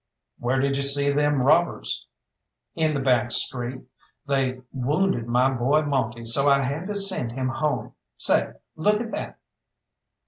"Where did you see them robbers?" "In the back street. They wounded my boy Monte, so I had to send him home. Say, look at that!"